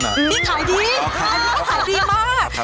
มีขายดีขายดีมาก